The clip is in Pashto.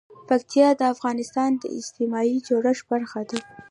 پکتیا د افغانستان د اجتماعي جوړښت برخه ده.